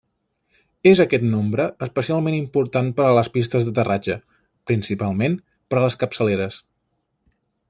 És aquest nombre especialment important per a les pistes d'aterratge, principalment per a les capçaleres.